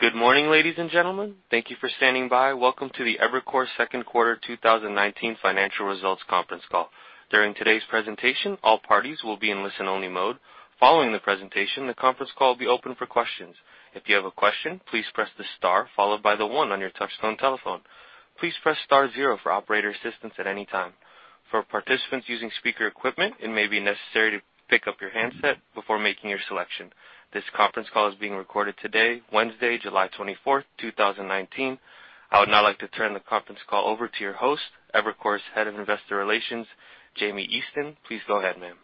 Good morning, ladies and gentlemen. Thank you for standing by. Welcome to the Evercore second quarter 2019 financial results conference call. During today's presentation, all parties will be in listen-only mode. Following the presentation, the conference call will be open for questions. If you have a question, please press the star followed by the one on your touchtone telephone. Please press star zero for operator assistance at any time. For participants using speaker equipment, it may be necessary to pick up your handset before making your selection. This conference call is being recorded today, Wednesday, July 24th, 2019. I would now like to turn the conference call over to your host, Evercore's Head of Investor Relations, Jamie Easton. Please go ahead, ma'am.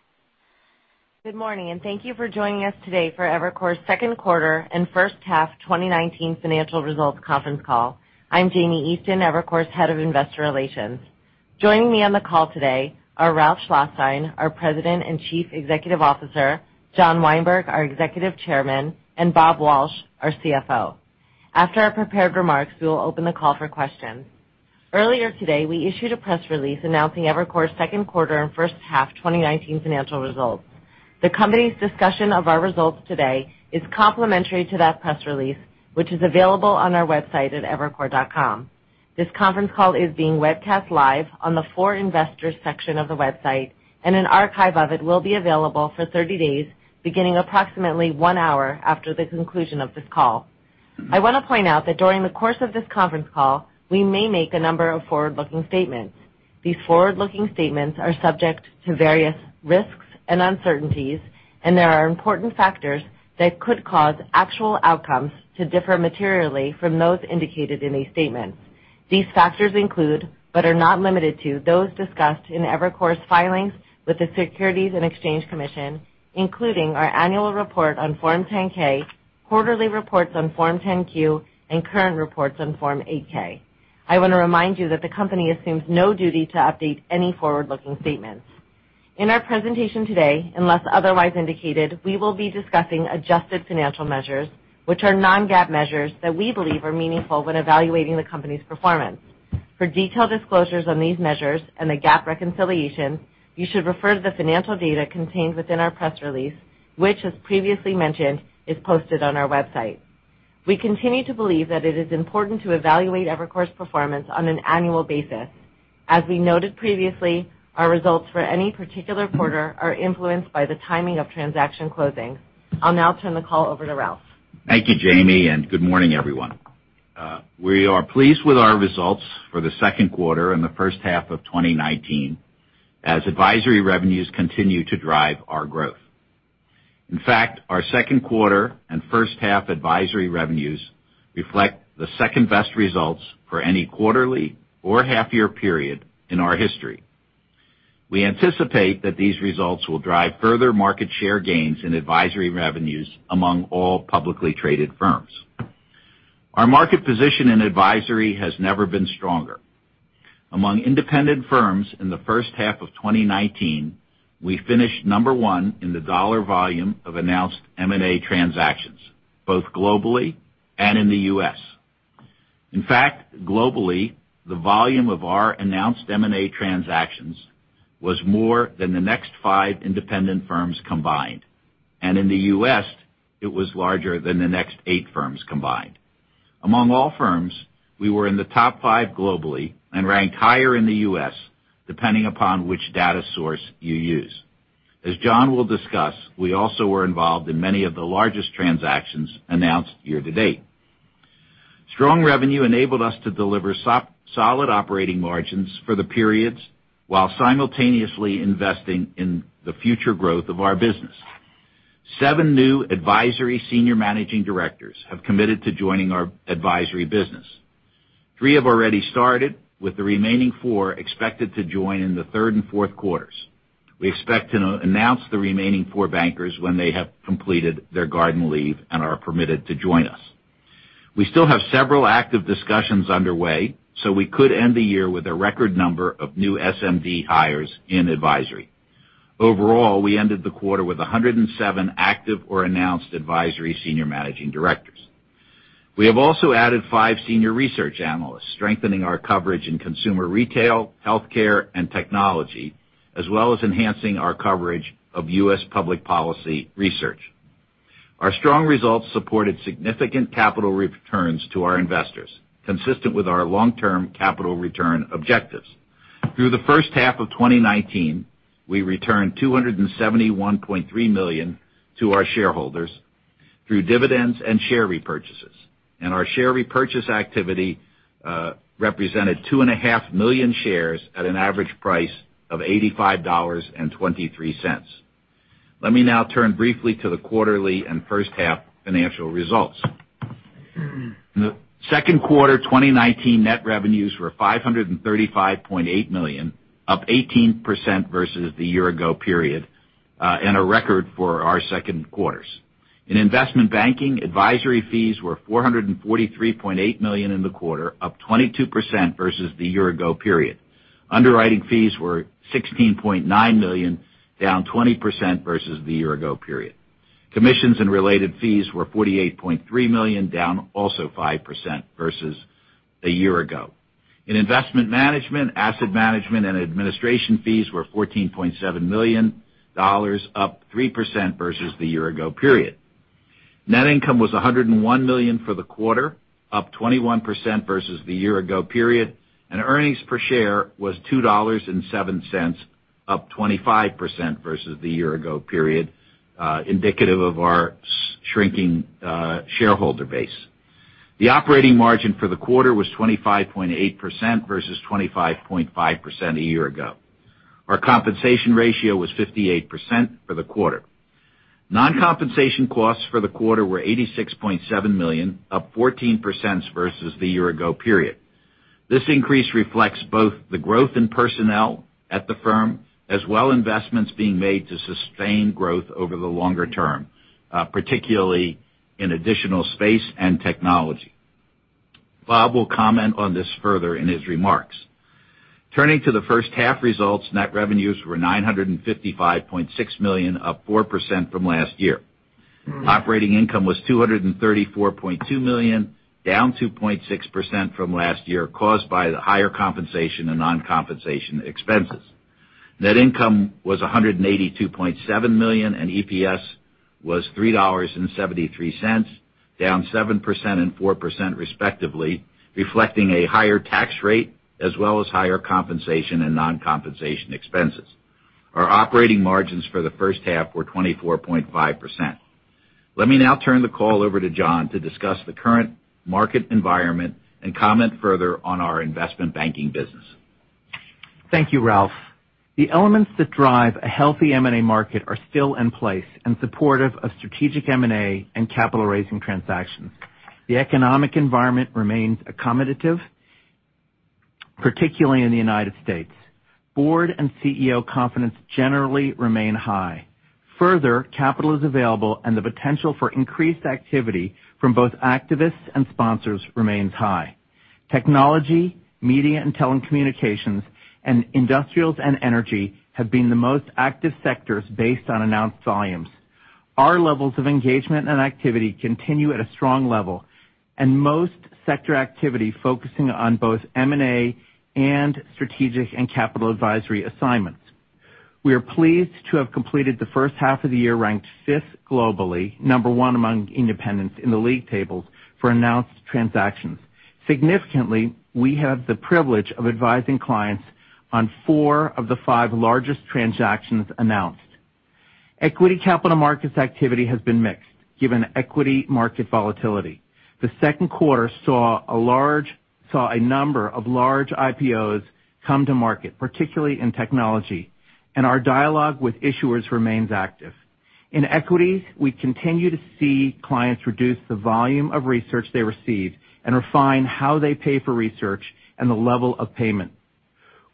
Good morning, thank you for joining us today for Evercore's second quarter and first half 2019 financial results conference call. I'm Jamie Easton, Evercore's Head of Investor Relations. Joining me on the call today are Ralph Schlosstein, our President and Chief Executive Officer, John Weinberg, our Executive Chairman, and Bob Walsh, our CFO. After our prepared remarks, we will open the call for questions. Earlier today, we issued a press release announcing Evercore's second quarter and first half 2019 financial results. The company's discussion of our results today is complementary to that press release, which is available on our website at evercore.com. This conference call is being webcast live on the For Investors section of the website, an archive of it will be available for 30 days, beginning approximately one hour after the conclusion of this call. I want to point out that during the course of this conference call, we may make a number of forward-looking statements. These forward-looking statements are subject to various risks and uncertainties, and there are important factors that could cause actual outcomes to differ materially from those indicated in these statements. These factors include, but are not limited to, those discussed in Evercore's filings with the Securities and Exchange Commission, including our annual report on Form 10-K, quarterly reports on Form 10-Q, and current reports on Form 8-K. I want to remind you that the company assumes no duty to update any forward-looking statements. In our presentation today, unless otherwise indicated, we will be discussing adjusted financial measures, which are non-GAAP measures that we believe are meaningful when evaluating the company's performance. For detailed disclosures on these measures and the GAAP reconciliation, you should refer to the financial data contained within our press release, which, as previously mentioned, is posted on our website. We continue to believe that it is important to evaluate Evercore's performance on an annual basis. As we noted previously, our results for any particular quarter are influenced by the timing of transaction closings. I'll now turn the call over to Ralph. Thank you, Jamie, and good morning, everyone. We are pleased with our results for the second quarter and the first half of 2019, as advisory revenues continue to drive our growth. In fact, our second quarter and first half advisory revenues reflect the second-best results for any quarterly or half-year period in our history. We anticipate that these results will drive further market share gains in advisory revenues among all publicly traded firms. Our market position in advisory has never been stronger. Among independent firms in the first half of 2019, we finished number one in the dollar volume of announced M&A transactions, both globally and in the U.S. In fact, globally, the volume of our announced M&A transactions was more than the next five independent firms combined. In the U.S., it was larger than the next eight firms combined. Among all firms, we were in the top five globally and ranked higher in the U.S., depending upon which data source you use. As John will discuss, we also were involved in many of the largest transactions announced year to date. Strong revenue enabled us to deliver solid operating margins for the periods, while simultaneously investing in the future growth of our business. Seven new advisory senior managing directors have committed to joining our advisory business. Three have already started, with the remaining four expected to join in the third and fourth quarters. We expect to announce the remaining four bankers when they have completed their garden leave and are permitted to join us. We still have several active discussions underway, so we could end the year with a record number of new SMD hires in advisory. Overall, we ended the quarter with 107 active or announced advisory senior managing directors. We have also added five senior research analysts, strengthening our coverage in consumer retail, healthcare, and technology, as well as enhancing our coverage of U.S. public policy research. Our strong results supported significant capital returns to our investors, consistent with our long-term capital return objectives. Through the first half of 2019, we returned $271.3 million to our shareholders through dividends and share repurchases, and our share repurchase activity represented two and a half million shares at an average price of $85.23. Let me now turn briefly to the quarterly and first half financial results. The second quarter 2019 net revenues were $535.8 million, up 18% versus the year ago period, and a record for our second quarters. In investment banking, advisory fees were $443.8 million in the quarter, up 22% versus the year ago period. Underwriting fees were $16.9 million, down 20% versus the year-ago period. Commissions and related fees were $48.3 million, down also 5% versus a year-ago. In investment management, asset management and administration fees were $14.7 million, up 3% versus the year-ago period. Net income was $101 million for the quarter, up 21% versus the year-ago period. Earnings per share was $2.07, up 25% versus the year-ago period, indicative of our shrinking shareholder base. The operating margin for the quarter was 25.8% versus 25.5% a year-ago. Our compensation ratio was 58% for the quarter. Non-compensation costs for the quarter were $86.7 million, up 14% versus the year-ago period. This increase reflects both the growth in personnel at the firm, as well investments being made to sustain growth over the longer term, particularly in additional space and technology. Bob will comment on this further in his remarks. Turning to the first half results, net revenues were $955.6 million, up 4% from last year. Operating income was $234.2 million, down 2.6% from last year, caused by the higher compensation and non-compensation expenses. Net income was $182.7 million, and EPS was $3.73, down 7% and 4% respectively, reflecting a higher tax rate as well as higher compensation and non-compensation expenses. Our operating margins for the first half were 24.5%. Let me now turn the call over to John to discuss the current market environment and comment further on our investment banking business. Thank you, Ralph. The elements that drive a healthy M&A market are still in place in support of strategic M&A and capital-raising transactions. The economic environment remains accommodative, particularly in the United States. Board and CEO confidence generally remain high. Further, capital is available and the potential for increased activity from both activists and sponsors remains high. Technology, Media and Telecommunications, and Industrials and Energy have been the most active sectors based on announced volumes. Our levels of engagement and activity continue at a strong level, and most sector activity focusing on both M&A and strategic and capital advisory assignments. We are pleased to have completed the first half of the year ranked fifth globally, number one among independents in the league tables for announced transactions. Significantly, we have the privilege of advising clients on four of the five largest transactions announced. Equity capital markets activity has been mixed, given equity market volatility. The second quarter saw a number of large IPOs come to market, particularly in technology, and our dialogue with issuers remains active. In equities, we continue to see clients reduce the volume of research they receive and refine how they pay for research and the level of payment.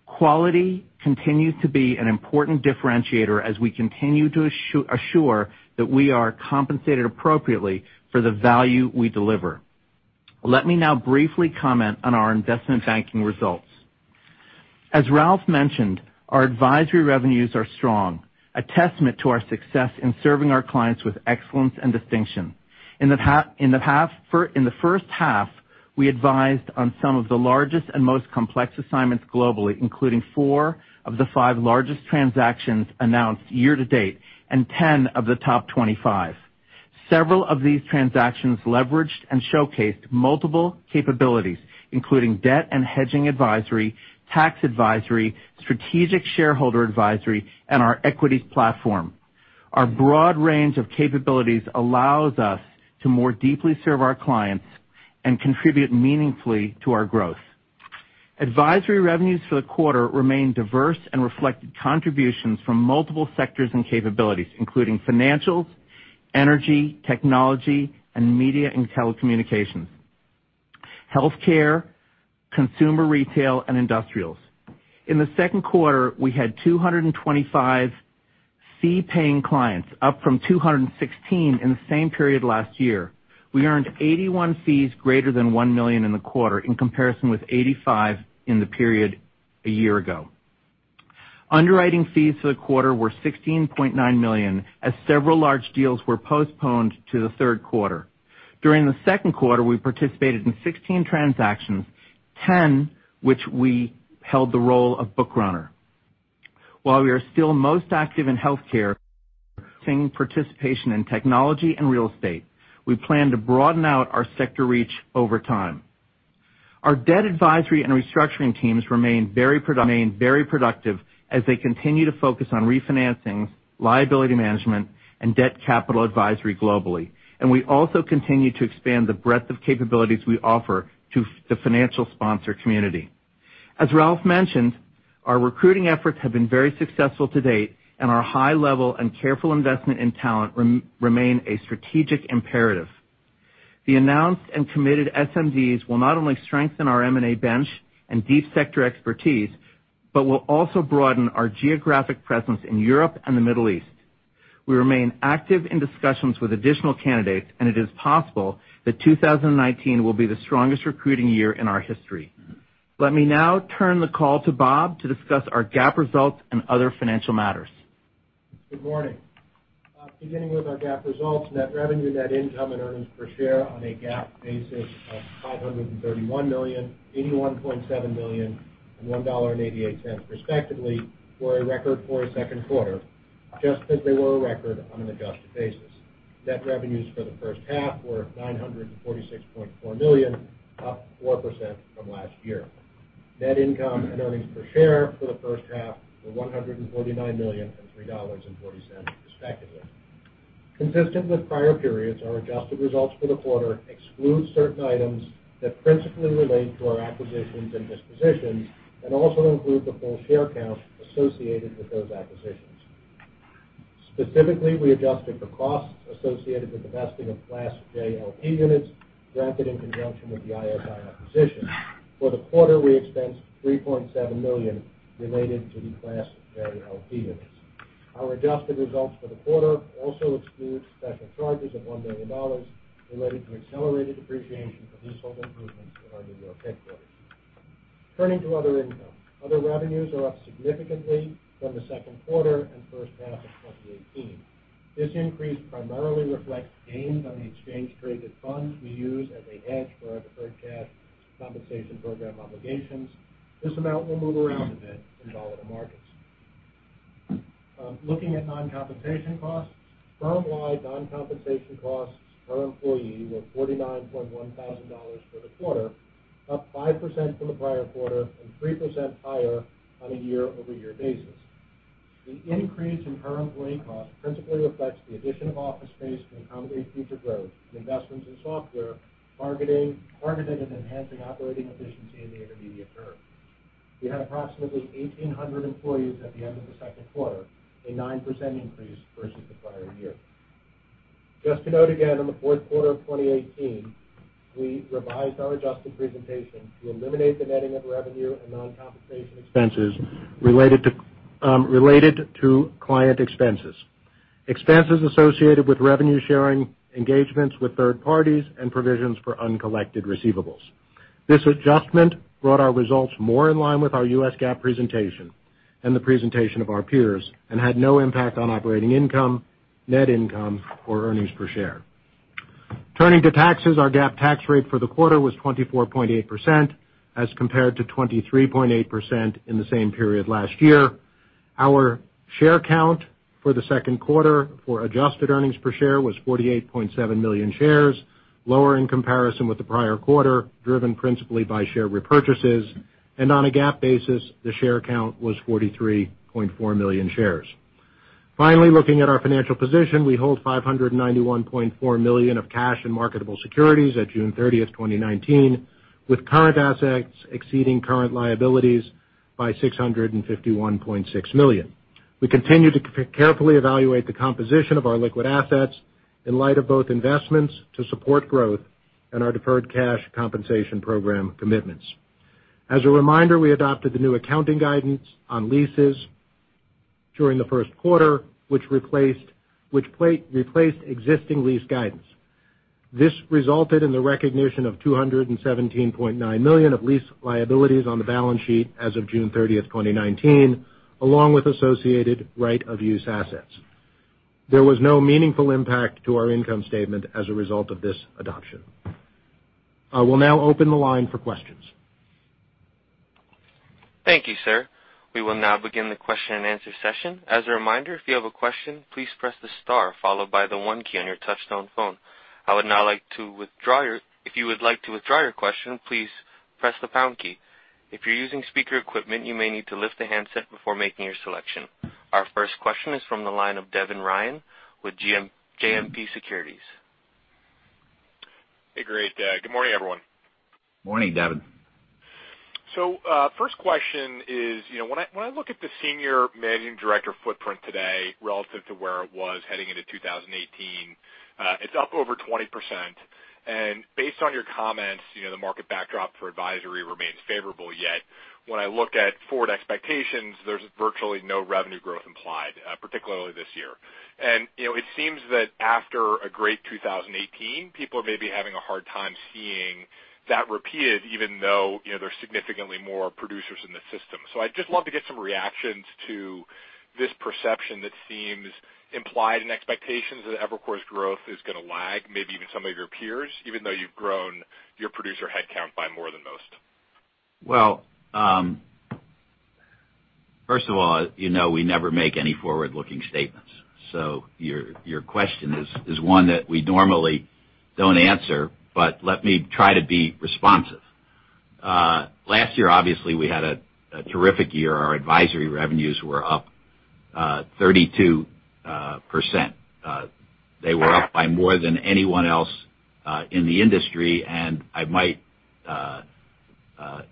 Quality continues to be an important differentiator as we continue to assure that we are compensated appropriately for the value we deliver. Let me now briefly comment on our investment banking results. As Ralph mentioned, our advisory revenues are strong, a testament to our success in serving our clients with excellence and distinction. In the first half, we advised on some of the largest and most complex assignments globally, including four of the five largest transactions announced year to date, and 10 of the top 25. Several of these transactions leveraged and showcased multiple capabilities, including debt and hedging advisory, tax advisory, strategic shareholder advisory, and our equities platform. Our broad range of capabilities allows us to more deeply serve our clients and contribute meaningfully to our growth. Advisory revenues for the quarter remained diverse and reflected contributions from multiple sectors and capabilities, including financials, energy, technology, and media and telecommunications, healthcare, consumer retail, and industrials. In the second quarter, we had 225 fee-paying clients, up from 216 in the same period last year. We earned 81 fees greater than $1 million in the quarter, in comparison with 85 in the period a year ago. Underwriting fees for the quarter were $16.9 million, as several large deals were postponed to the third quarter. During the second quarter, we participated in 16 transactions, 10 which we held the role of bookrunner. While we are still most active in healthcare, seeing participation in technology and real estate, we plan to broaden out our sector reach over time. Our debt advisory and restructuring teams remain very productive as they continue to focus on refinancing, liability management, and debt capital advisory globally. We also continue to expand the breadth of capabilities we offer to the financial sponsor community. As Ralph mentioned, our recruiting efforts have been very successful to date, and our high level and careful investment in talent remain a strategic imperative. The announced and committed SMDs will not only strengthen our M&A bench and deep sector expertise, but will also broaden our geographic presence in Europe and the Middle East. We remain active in discussions with additional candidates, and it is possible that 2019 will be the strongest recruiting year in our history. Let me now turn the call to Bob to discuss our GAAP results and other financial matters. Good morning. Beginning with our GAAP results, net revenue, net income, and earnings per share on a GAAP basis of $531 million, $81.7 million, and $1.88 respectively, were a record for a second quarter, just as they were a record on an adjusted basis. Net revenues for the first half were $946.4 million, up 4% from last year. Net income and earnings per share for the first half were $149 million and $3.40 respectively. Consistent with prior periods, our adjusted results for the quarter exclude certain items that principally relate to our acquisitions and dispositions and also include the full share count associated with those acquisitions. Specifically, we adjusted for costs associated with the vesting of Class J LP units granted in conjunction with the ISI acquisition. For the quarter, we expensed $3.7 million related to the Class J LP units. Our adjusted results for the quarter also exclude special charges of $1 million related to accelerated depreciation for leasehold improvements in our New York headquarters. Turning to other income. Other revenues are up significantly from the second quarter and first half of 2018. This increase primarily reflects gains on the exchange-traded funds we use as a hedge for our deferred cash compensation program obligations. This amount will move around a bit in volatile markets. Looking at non-compensation costs. Firm-wide non-compensation costs per employee were $49.1 thousand for the quarter, up 5% from the prior quarter and 3% higher on a year-over-year basis. The increase in per employee costs principally reflects the addition of office space to accommodate future growth and investments in software, targeted at enhancing operating efficiency in the intermediate term. We had approximately 1,800 employees at the end of the second quarter, a 9% increase versus the prior year. Just to note again, on the fourth quarter of 2018, we revised our adjusted presentation to eliminate the netting of revenue and non-compensation expenses related to client expenses associated with revenue-sharing engagements with third parties, and provisions for uncollected receivables. This adjustment brought our results more in line with our US GAAP presentation and the presentation of our peers and had no impact on operating income, net income, or earnings per share. Turning to taxes, our GAAP tax rate for the quarter was 24.8% as compared to 23.8% in the same period last year. Our share count for the second quarter for adjusted earnings per share was 48.7 million shares, lower in comparison with the prior quarter, driven principally by share repurchases. On a GAAP basis, the share count was 43.4 million shares. Finally, looking at our financial position, we hold $591.4 million of cash and marketable securities at June 30th, 2019, with current assets exceeding current liabilities by $651.6 million. We continue to carefully evaluate the composition of our liquid assets in light of both investments to support growth and our deferred cash compensation program commitments. As a reminder, we adopted the new accounting guidance on leases during the first quarter, which replaced existing lease guidance. This resulted in the recognition of $217.9 million of lease liabilities on the balance sheet as of June 30th, 2019, along with associated right-of-use assets. There was no meaningful impact to our income statement as a result of this adoption. I will now open the line for questions. Thank you, sir. We will now begin the question-and-answer session. As a reminder, if you have a question, please press the star followed by the one key on your touch-tone phone. If you would like to withdraw your question, please press the pound key. If you're using speaker equipment, you may need to lift the handset before making your selection. Our first question is from the line of Devin Ryan with JMP Securities. Hey, great. Good morning, everyone. Morning, Devin. First question is, when I look at the senior managing director footprint today relative to where it was heading into 2018, it's up over 20%. Based on your comments, the market backdrop for advisory remains favorable. When I look at forward expectations, there's virtually no revenue growth implied, particularly this year. It seems that after a great 2018, people are maybe having a hard time seeing that repeated, even though there's significantly more producers in the system. I'd just love to get some reactions to this perception that seems implied in expectations that Evercore's growth is going to lag, maybe even some of your peers, even though you've grown your producer headcount by more than most. Well, first of all, you know we never make any forward-looking statements. Your question is one that we normally don't answer, but let me try to be responsive. Last year, obviously, we had a terrific year. Our advisory revenues were up 32%. They were up by more than anyone else in the industry. I might have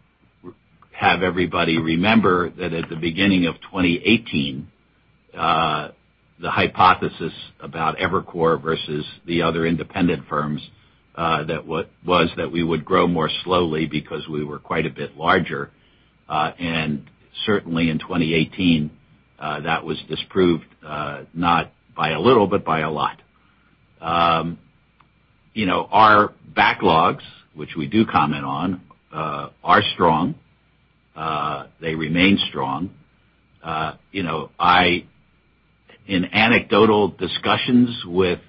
everybody remember that at the beginning of 2018, the hypothesis about Evercore versus the other independent firms was that we would grow more slowly because we were quite a bit larger. Certainly in 2018, that was disproved, not by a little, but by a lot. Our backlogs, which we do comment on, are strong. They remain strong. In anecdotal discussions with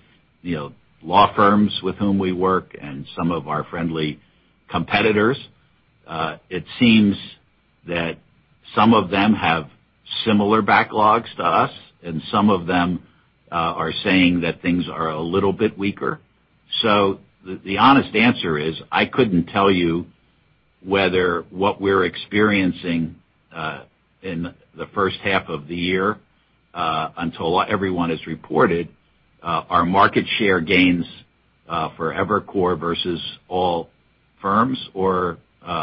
law firms with whom we work and some of our friendly competitors, it seems that some of them have similar backlogs to us, and some of them are saying that things are a little bit weaker. The honest answer is, I couldn't tell you whether what we're experiencing in the first half of the year until everyone has reported our market share gains for Evercore versus all firms or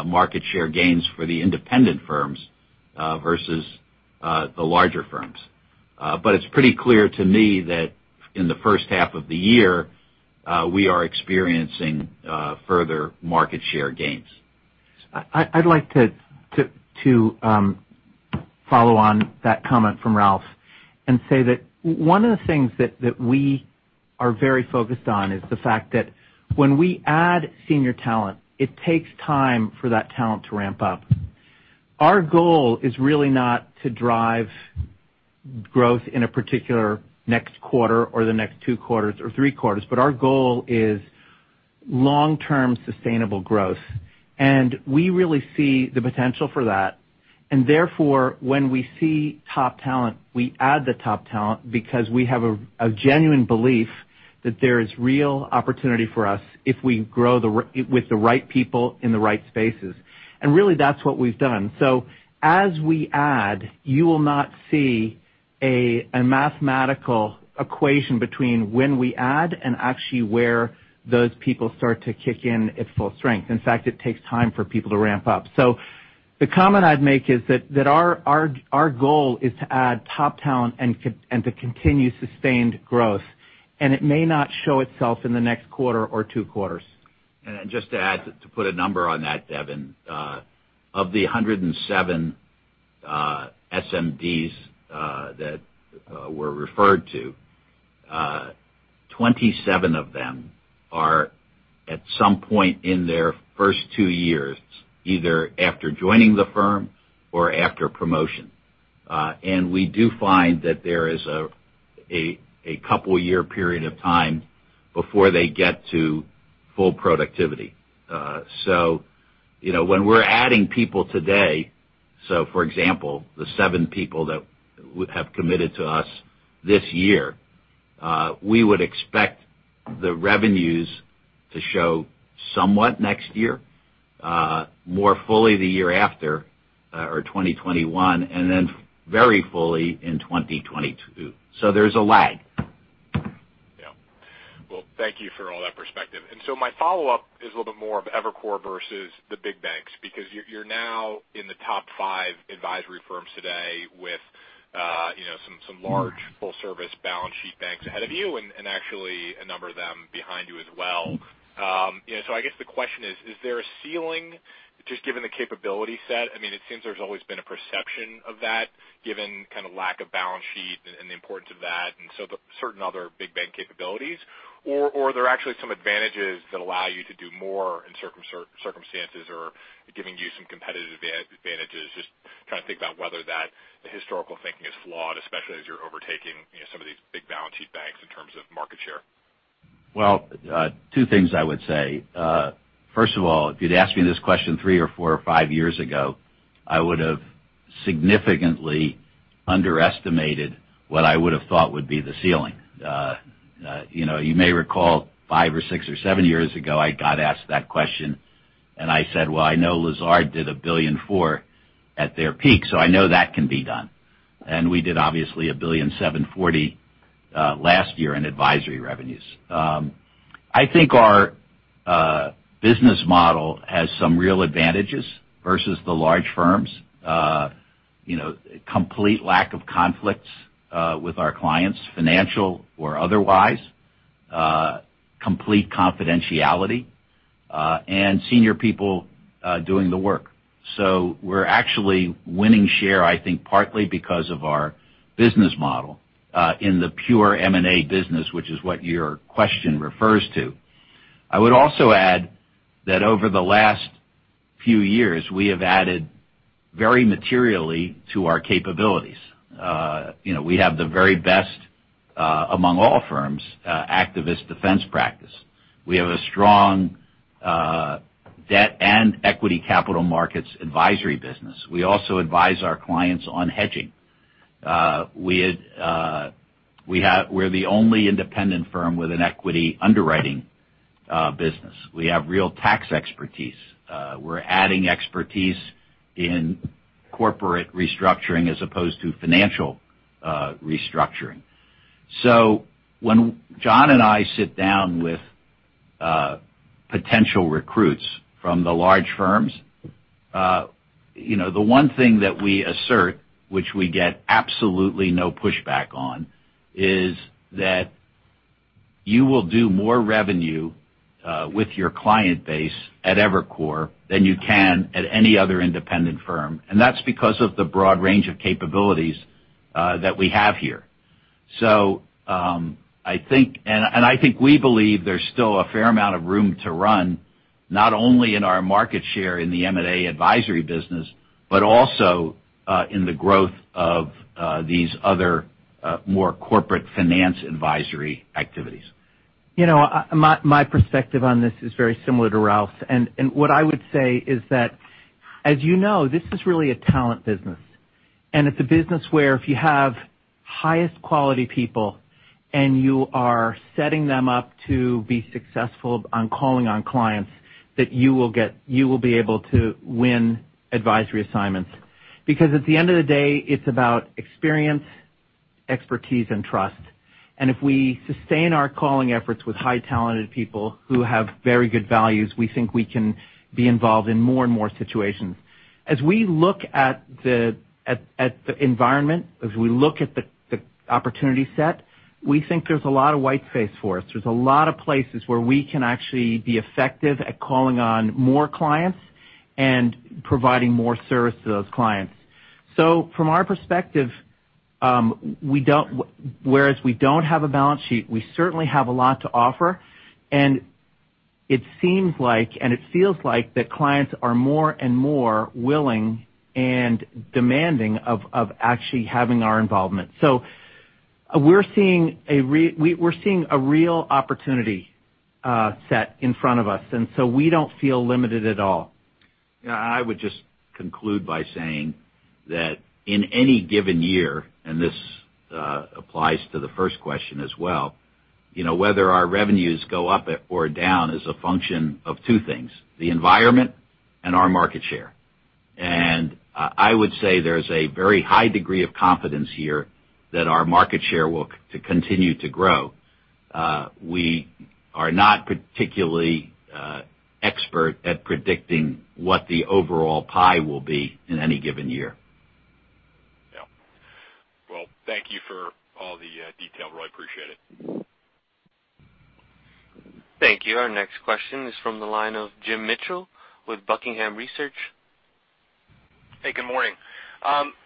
market share gains for the independent firms versus the larger firms. It's pretty clear to me that in the first half of the year, we are experiencing further market share gains. I'd like to follow on that comment from Ralph and say that one of the things that we are very focused on is the fact that when we add senior talent, it takes time for that talent to ramp up. Our goal is really not to drive growth in a particular next quarter or the next two quarters or three quarters, but our goal is long-term sustainable growth. We really see the potential for that, and therefore, when we see top talent, we add the top talent because we have a genuine belief that there is real opportunity for us if we grow with the right people in the right spaces. Really, that's what we've done. As we add, you will not see a mathematical equation between when we add and actually where those people start to kick in at full strength. In fact, it takes time for people to ramp up. The comment I'd make is that our goal is to add top talent and to continue sustained growth, and it may not show itself in the next quarter or two quarters. Just to put a number on that, Devin. Of the 107 SMDs that were referred to, 27 of them are at some point in their first two years, either after joining the firm or after promotion. We do find that there is a couple year period of time before they get to full productivity. When we're adding people today, for example, the seven people that have committed to us this year, we would expect the revenues to show somewhat next year, more fully the year after, or 2021, and then very fully in 2022. There's a lag. Yeah. Well, thank you for all that perspective. My follow-up is a little bit more of Evercore versus the big banks, because you're now in the top 5 advisory firms today with some large full-service balance sheet banks ahead of you, and actually a number of them behind you as well. I guess the question is: Is there a ceiling just given the capability set? It seems there's always been a perception of that given kind of lack of balance sheet and the importance of that, and so certain other big bank capabilities, or are there actually some advantages that allow you to do more in circumstances or giving you some competitive advantages? Just trying to think about whether that historical thinking is flawed, especially as you're overtaking some of these big balance sheet banks in terms of market share. Well, two things I would say. First of all, if you'd asked me this question three or four or five years ago, I would have significantly underestimated what I would have thought would be the ceiling. You may recall, five or six or seven years ago, I got asked that question, and I said, "Well, I know Lazard did $1.4 billion at their peak, so I know that can be done." We did obviously $1.74 billion last year in advisory revenues. I think our business model has some real advantages versus the large firms. Complete lack of conflicts with our clients, financial or otherwise. Complete confidentiality, and senior people doing the work. We're actually winning share, I think, partly because of our business model, in the pure M&A business, which is what your question refers to. I would also add that over the last few years, we have added very materially to our capabilities. We have the very best among all firms activist defense practice. We have a strong debt and equity capital markets advisory business. We also advise our clients on hedging. We're the only independent firm with an equity underwriting business. We have real tax expertise. We're adding expertise in corporate restructuring as opposed to financial restructuring. When John and I sit down with potential recruits from the large firms, the one thing that we assert, which we get absolutely no pushback on, is that you will do more revenue with your client base at Evercore than you can at any other independent firm. That's because of the broad range of capabilities that we have here. I think we believe there's still a fair amount of room to run, not only in our market share in the M&A advisory business, but also in the growth of these other more corporate finance advisory activities. My perspective on this is very similar to Ralph's. What I would say is that, as you know, this is really a talent business. It's a business where if you have highest quality people and you are setting them up to be successful on calling on clients, that you will be able to win advisory assignments. Because at the end of the day, it's about experience, expertise, and trust. If we sustain our calling efforts with high talented people who have very good values, we think we can be involved in more and more situations. As we look at the environment, as we look at the opportunity set, we think there's a lot of white space for us. There's a lot of places where we can actually be effective at calling on more clients and providing more service to those clients. From our perspective, whereas we don't have a balance sheet, we certainly have a lot to offer. It seems like, and it feels like that clients are more and more willing and demanding of actually having our involvement. We're seeing a real opportunity set in front of us, and so we don't feel limited at all. I would just conclude by saying that in any given year, this applies to the first question as well, whether our revenues go up or down is a function of two things, the environment and our market share. I would say there's a very high degree of confidence here that our market share will continue to grow. We are not particularly expert at predicting what the overall pie will be in any given year. Yeah. Well, thank you for all the detail. Really appreciate it. Thank you. Our next question is from the line of Jim Mitchell with Buckingham Research. Hey, good morning.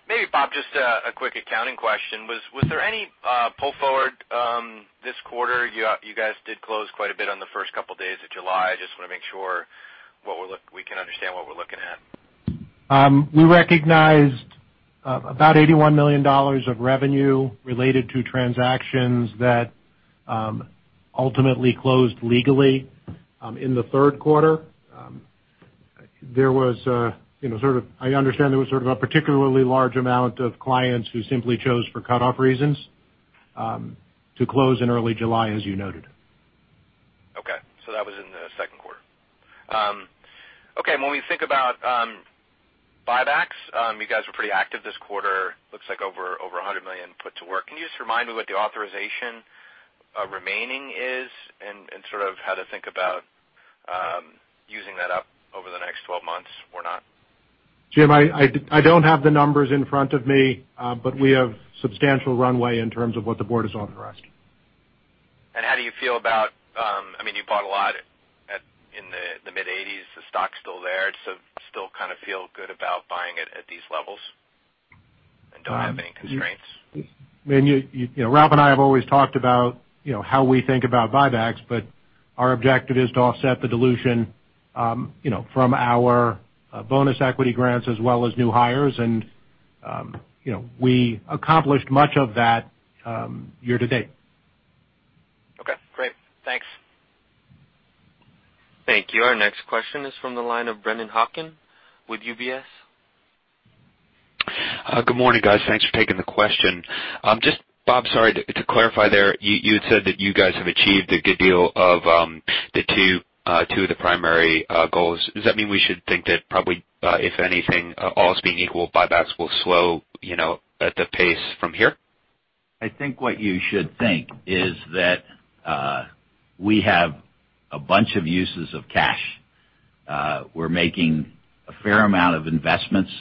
Maybe Bob, just a quick accounting question. Was there any pull forward this quarter? You guys did close quite a bit on the first couple of days of July. I just want to make sure we can understand what we're looking at. We recognized about $81 million of revenue related to transactions that ultimately closed legally in the third quarter. I understand there was sort of a particularly large amount of clients who simply chose for cutoff reasons, to close in early July, as you noted. That was in the second quarter. When we think about buybacks, you guys were pretty active this quarter, looks like over $100 million put to work. Can you just remind me what the authorization remaining is and sort of how to think about using that up over the next 12 months or not? Jim, I don't have the numbers in front of me, but we have substantial runway in terms of what the board has authorized. How do you feel? You bought a lot in the mid-80s, the stock's still there, so still kind of feel good about buying it at these levels and don't have any constraints? Ralph and I have always talked about how we think about buybacks, but our objective is to offset the dilution from our bonus equity grants as well as new hires. We accomplished much of that year to date. Okay, great. Thanks. Thank you. Our next question is from the line of Brennan Hawken with UBS. Good morning, guys. Thanks for taking the question. Bob, sorry to clarify there. You had said that you guys have achieved a good deal of the two of the primary goals. Does that mean we should think that probably, if anything, all else being equal, buybacks will slow at the pace from here? I think what you should think is that we have a bunch of uses of cash. We're making a fair amount of investments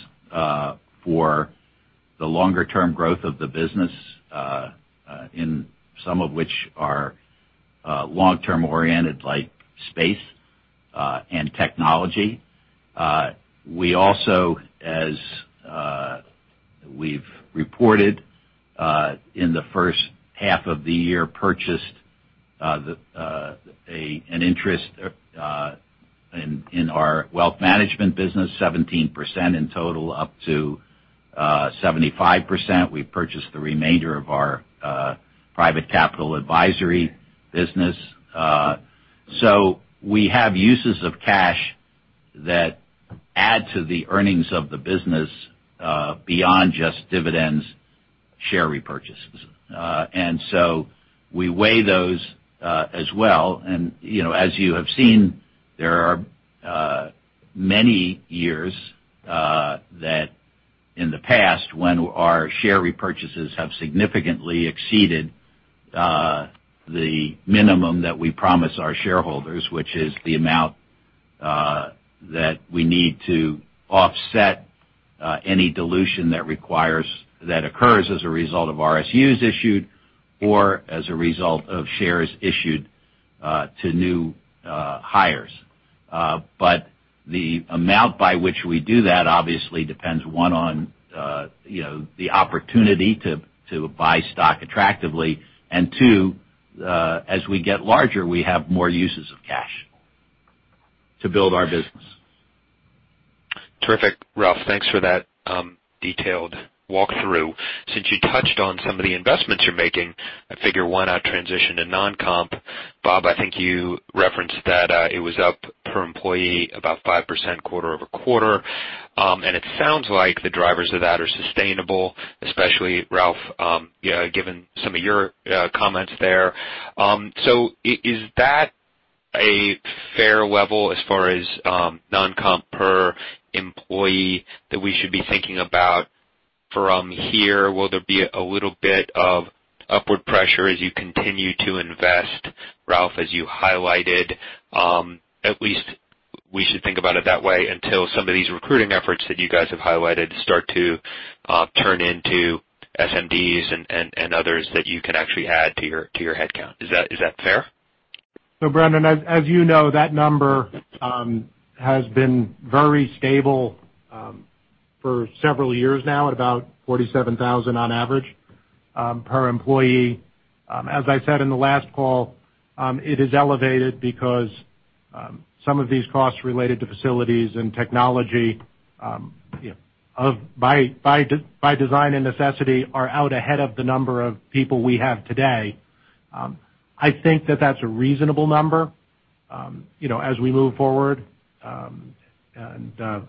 for the longer-term growth of the business, in some of which are long-term oriented like space and technology. We also, as we've reported in the first half of the year, purchased an interest in our wealth management business, 17% in total, up to 75%. We purchased the remainder of our private capital advisory business. We have uses of cash that add to the earnings of the business beyond just dividends share repurchases. We weigh those as well. As you have seen, there are many years that in the past when our share repurchases have significantly exceeded the minimum that we promise our shareholders, which is the amount that we need to offset any dilution that occurs as a result of RSUs issued or as a result of shares issued to new hires. The amount by which we do that obviously depends, one, on the opportunity to buy stock attractively, and two, as we get larger, we have more uses of cash to build our business. Terrific, Ralph. Thanks for that detailed walkthrough. Since you touched on some of the investments you're making, I figure why not transition to non-comp? Bob, I think you referenced that it was up per employee about 5% quarter-over-quarter. It sounds like the drivers of that are sustainable, especially Ralph, given some of your comments there. Is that a fair level as far as non-comp per employee that we should be thinking about from here? Will there be a little bit of upward pressure as you continue to invest, Ralph, as you highlighted? At least we should think about it that way until some of these recruiting efforts that you guys have highlighted start to turn into SMDs and others that you can actually add to your headcount. Is that fair? Brennan, as you know, that number has been very stable for several years now at about 47,000 on average per employee. As I said in the last call, it is elevated because some of these costs related to facilities and technology, by design and necessity, are out ahead of the number of people we have today. I think that that's a reasonable number as we move forward.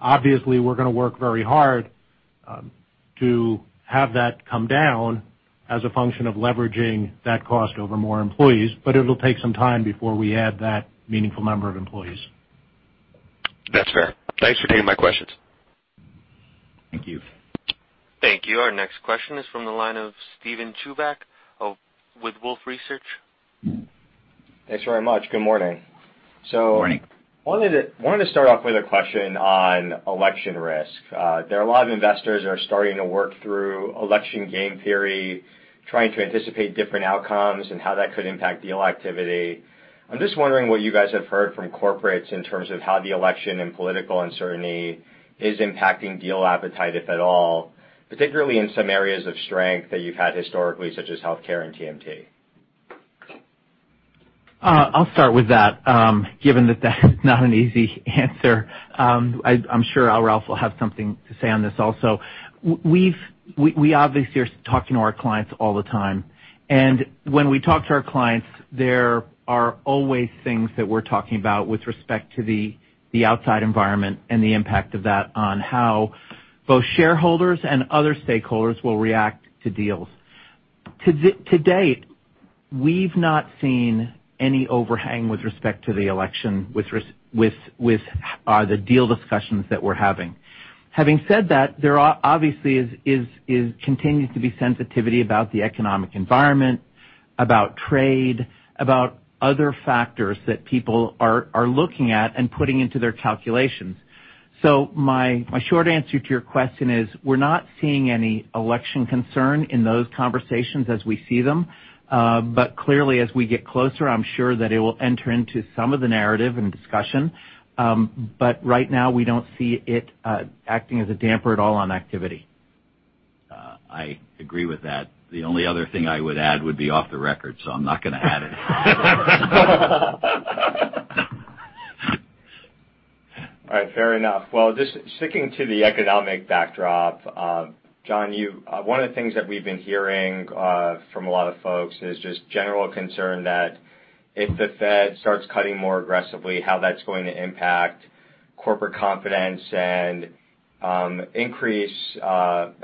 Obviously we're going to work very hard to have that come down as a function of leveraging that cost over more employees, but it'll take some time before we add that meaningful number of employees. That's fair. Thanks for taking my questions. Thank you. Thank you. Our next question is from the line of Steven Chubak with Wolfe Research. Thanks very much. Good morning. Good morning. Wanted to start off with a question on election risk. There are a lot of investors that are starting to work through election game theory, trying to anticipate different outcomes and how that could impact deal activity. I'm just wondering what you guys have heard from corporates in terms of how the election and political uncertainty is impacting deal appetite, if at all, particularly in some areas of strength that you've had historically, such as healthcare and TMT. I'll start with that, given that that's not an easy answer. I'm sure Ralph will have something to say on this also. We obviously are talking to our clients all the time, and when we talk to our clients, there are always things that we're talking about with respect to the outside environment and the impact of that on how both shareholders and other stakeholders will react to deals. To date, we've not seen any overhang with respect to the election with the deal discussions that we're having. Having said that, there obviously continues to be sensitivity about the economic environment, about trade, about other factors that people are looking at and putting into their calculations. My short answer to your question is, we're not seeing any election concern in those conversations as we see them. Clearly, as we get closer, I'm sure that it will enter into some of the narrative and discussion. Right now, we don't see it acting as a damper at all on activity. I agree with that. The only other thing I would add would be off the record, so I'm not going to add it. All right. Fair enough. Well, just sticking to the economic backdrop, John, one of the things that we've been hearing from a lot of folks is just general concern that if the Fed starts cutting more aggressively, how that's going to impact corporate confidence and increase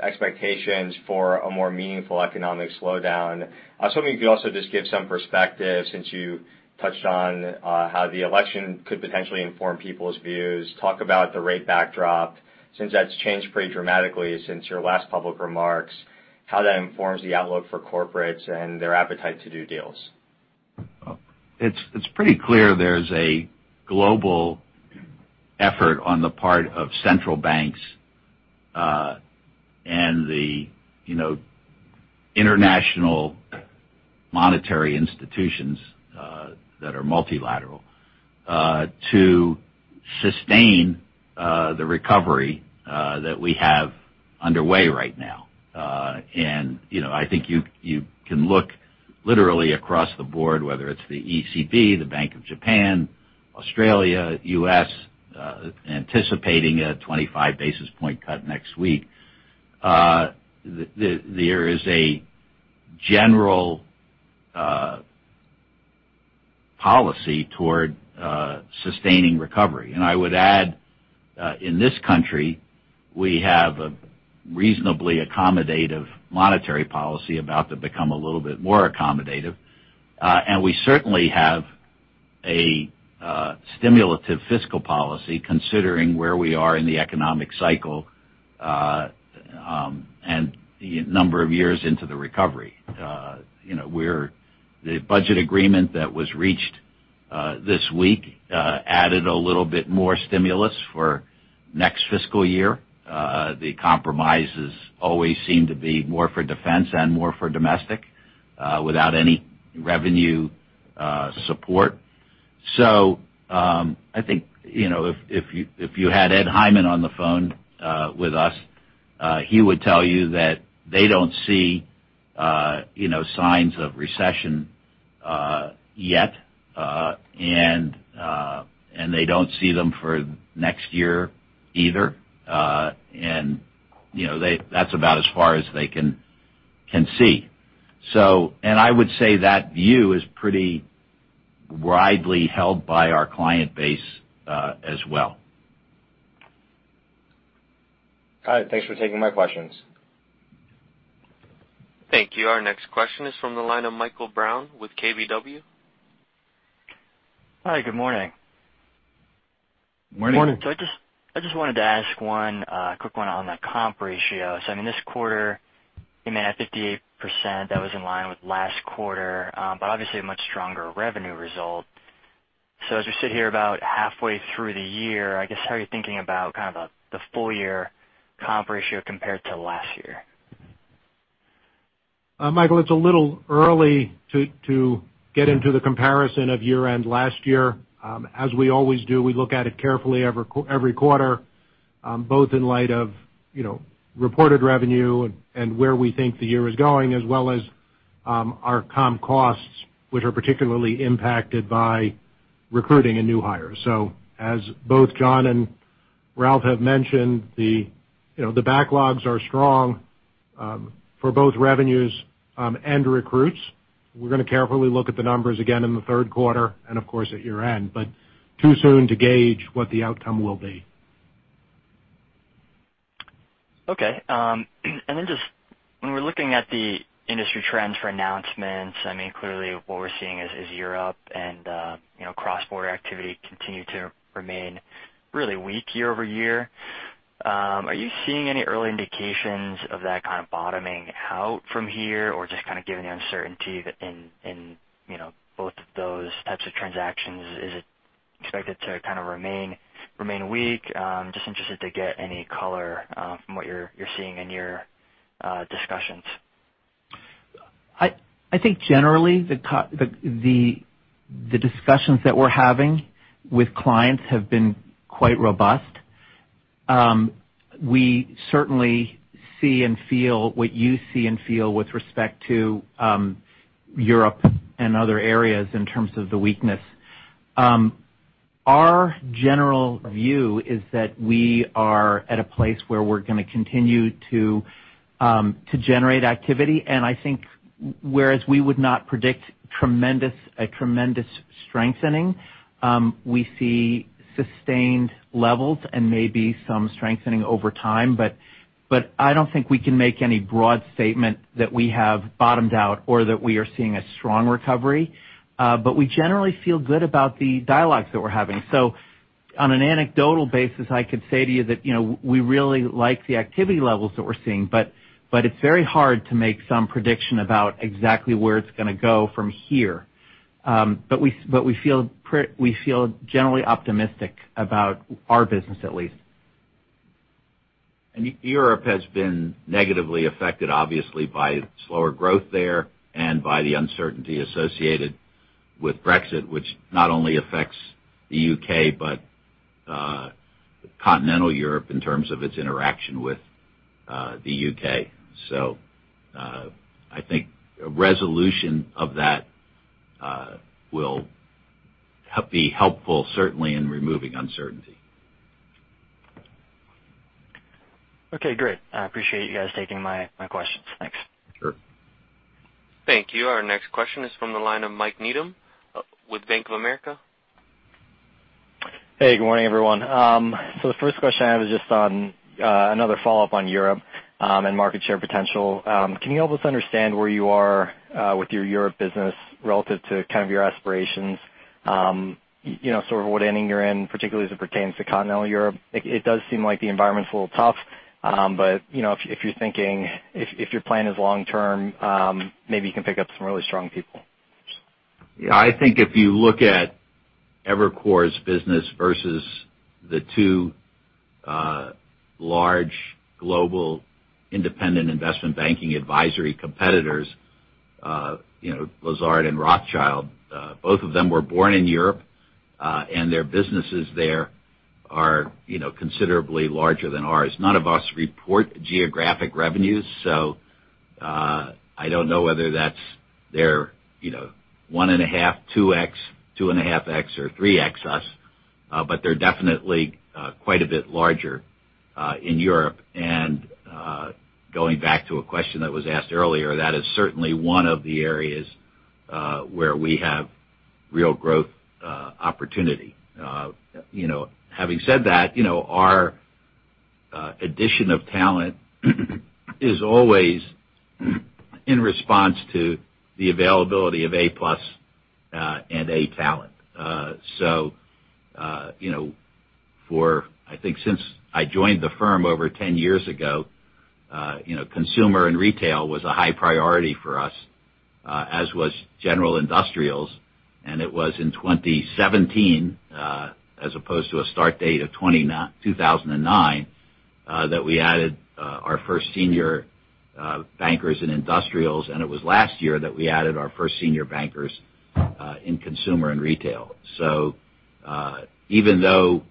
expectations for a more meaningful economic slowdown. I was hoping you could also just give some perspective, since you touched on how the election could potentially inform people's views. Talk about the rate backdrop, since that's changed pretty dramatically since your last public remarks, how that informs the outlook for corporates and their appetite to do deals. It's pretty clear there's a global effort on the part of central banks and the international monetary institutions that are multilateral to sustain the recovery that we have underway right now. I think you can look literally across the board, whether it's the ECB, the Bank of Japan, Australia, U.S., anticipating a 25 basis point cut next week. There is a general policy toward sustaining recovery. I would add, in this country, we have a reasonably accommodative monetary policy about to become a little bit more accommodative. We certainly have a stimulative fiscal policy, considering where we are in the economic cycle, and the number of years into the recovery. The budget agreement that was reached this week added a little bit more stimulus for next fiscal year, the compromises always seem to be more for defense and more for domestic without any revenue support. I think, if you had Ed Hyman on the phone with us, he would tell you that they don't see signs of recession yet, and they don't see them for next year either. That's about as far as they can see. I would say that view is pretty widely held by our client base as well. All right. Thanks for taking my questions. Thank you. Our next question is from the line of Michael Brown with KBW. Hi, good morning. Morning. Morning. I just wanted to ask one quick one on the comp ratio. In this quarter, you made that 58%, that was in line with last quarter, but obviously a much stronger revenue result. As we sit here about halfway through the year, I guess, how are you thinking about kind of the full year comp ratio compared to last year? Michael, it's a little early to get into the comparison of year-end last year. As we always do, we look at it carefully every quarter, both in light of reported revenue and where we think the year is going, as well as our comp costs, which are particularly impacted by recruiting and new hires. As both John and Ralph have mentioned, the backlogs are strong for both revenues and recruits. We're going to carefully look at the numbers again in the third quarter and, of course, at year-end, but too soon to gauge what the outcome will be. Okay. Just when we're looking at the industry trends for announcements, clearly what we're seeing is Europe and cross-border activity continue to remain really weak year-over-year. Are you seeing any early indications of that kind of bottoming out from here or just kind of given the uncertainty in both of those types of transactions, is it expected to kind of remain weak? I'm just interested to get any color from what you're seeing in your discussions. I think generally, the discussions that we're having with clients have been quite robust. We certainly see and feel what you see and feel with respect to Europe and other areas in terms of the weakness. Our general view is that we are at a place where we're going to continue to generate activity, and I think whereas we would not predict a tremendous strengthening, we see sustained levels and maybe some strengthening over time. I don't think we can make any broad statement that we have bottomed out or that we are seeing a strong recovery. We generally feel good about the dialogues that we're having. On an anecdotal basis, I could say to you that, we really like the activity levels that we're seeing, but it's very hard to make some prediction about exactly where it's going to go from here. We feel generally optimistic about our business, at least. Europe has been negatively affected, obviously, by slower growth there and by the uncertainty associated with Brexit, which not only affects the U.K. but Continental Europe in terms of its interaction with the U.K. I think a resolution of that will be helpful, certainly in removing uncertainty. Okay, great. I appreciate you guys taking my questions. Thanks. Sure. Thank you. Our next question is from the line of Mike Needham with Bank of America. Hey, good morning, everyone. The first question I have is just on another follow-up on Europe and market share potential. Can you help us understand where you are with your Europe business relative to kind of your aspirations, sort of what inning you're in, particularly as it pertains to continental Europe? It does seem like the environment's a little tough, but if you're thinking if your plan is long-term, maybe you can pick up some really strong people. Yeah, I think if you look at Evercore's business versus the two large global independent investment banking advisory competitors, Lazard and Rothschild, both of them were born in Europe, and their businesses there are considerably larger than ours. None of us report geographic revenues, so I don't know whether that's their 1.5x, 2x, 2.5x, or 3x us. They're definitely quite a bit larger in Europe. Going back to a question that was asked earlier, that is certainly one of the areas where we have real growth opportunity. Having said that, our addition of talent is always in response to the availability of A+ and A talent. For, I think since I joined the firm over 10 years ago, consumer and retail was a high priority for us as was General Industrials, and it was in 2017, as opposed to a start date of 2009, that we added our first senior bankers in industrials, and it was last year that we added our first senior bankers in consumer and retail. Even though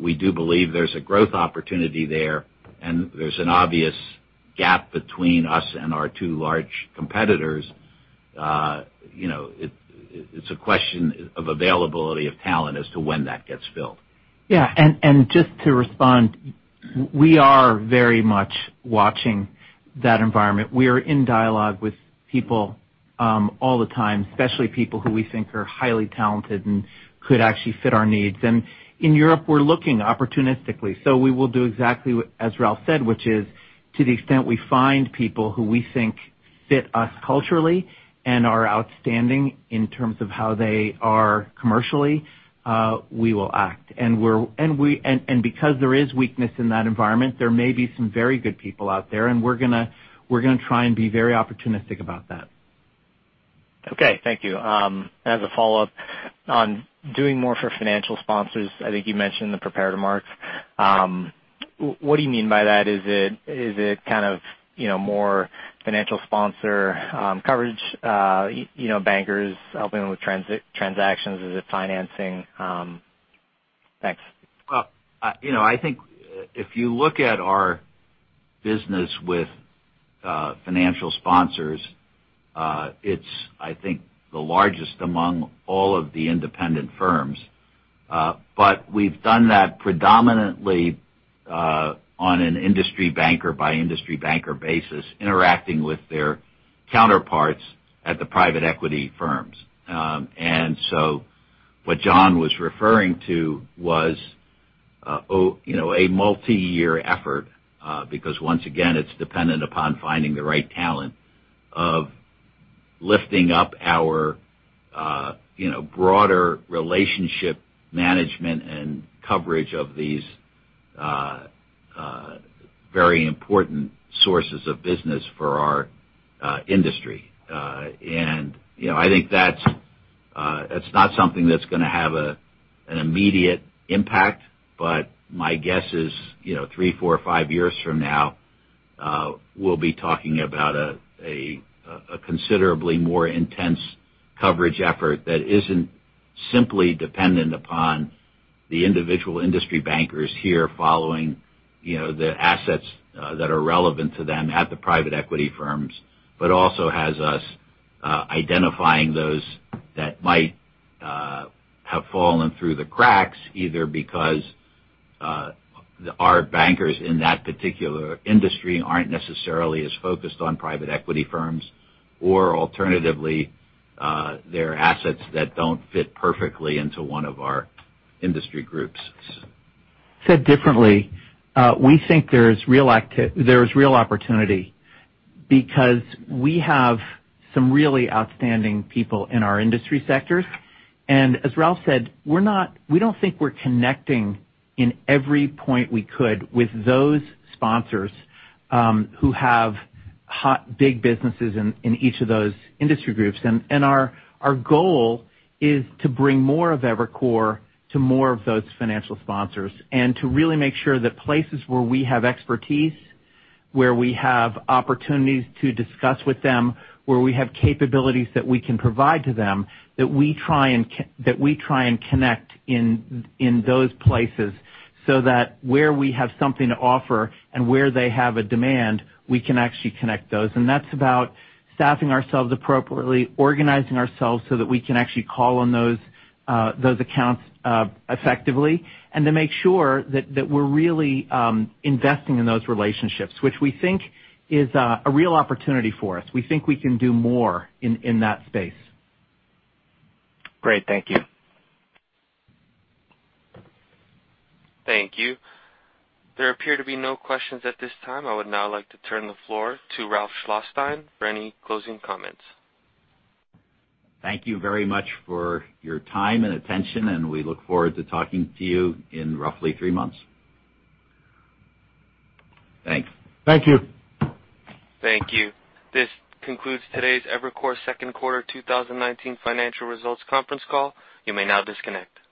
we do believe there's a growth opportunity there, and there's an obvious gap between us and our two large competitors, it's a question of availability of talent as to when that gets filled. Yeah. Just to respond, we are very much watching that environment. We are in dialogue with people all the time, especially people who we think are highly talented and could actually fit our needs. In Europe, we're looking opportunistically. We will do exactly as Ralph said, which is to the extent we find people who we think fit us culturally and are outstanding in terms of how they are commercially, we will act. Because there is weakness in that environment, there may be some very good people out there, and we're going to try and be very opportunistic about that. Okay, thank you. As a follow-up, on doing more for financial sponsors, I think you mentioned the prepared remarks. What do you mean by that? Is it more financial sponsor coverage, bankers helping with transactions? Is it financing? Thanks. Well, I think if you look at our business with financial sponsors, it's, I think, the largest among all of the independent firms. We've done that predominantly on an industry banker by industry banker basis, interacting with their counterparts at the private equity firms. What John was referring to was a multi-year effort, because once again, it's dependent upon finding the right talent of lifting up our broader relationship management and coverage of these very important sources of business for our industry. I think that's not something that's going to have an immediate impact, but my guess is three, four, five years from now, we'll be talking about a considerably more intense coverage effort that isn't simply dependent upon the individual industry bankers here following the assets that are relevant to them at the private equity firms, but also has us identifying those that might have fallen through the cracks, either because our bankers in that particular industry aren't necessarily as focused on private equity firms, or alternatively, they're assets that don't fit perfectly into one of our industry groups. Said differently, we think there's real opportunity because we have some really outstanding people in our industry sectors. As Ralph said, we don't think we're connecting in every point we could with those sponsors who have big businesses in each of those industry groups. Our goal is to bring more of Evercore to more of those financial sponsors, and to really make sure that places where we have expertise, where we have opportunities to discuss with them, where we have capabilities that we can provide to them, that we try and connect in those places, so that where we have something to offer and where they have a demand, we can actually connect those. That's about staffing ourselves appropriately, organizing ourselves so that we can actually call on those accounts effectively, and to make sure that we're really investing in those relationships, which we think is a real opportunity for us. We think we can do more in that space. Great. Thank you. Thank you. There appear to be no questions at this time. I would now like to turn the floor to Ralph Schlosstein for any closing comments. Thank you very much for your time and attention. We look forward to talking to you in roughly three months. Thanks. Thank you. Thank you. This concludes today's Evercore second quarter 2019 financial results conference call. You may now disconnect.